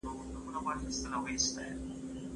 که ویالې پخې سي، نو اوبه په خاوره کي نه ضایع کیږي.